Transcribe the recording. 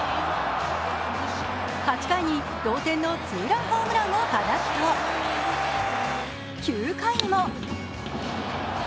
８回に同点のツーランホームランを放つと９回にも。